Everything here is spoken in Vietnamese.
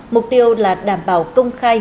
mục tiêu là đảm bảo công khai